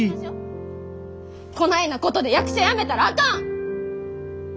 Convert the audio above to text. こないなことで役者辞めたらあかん！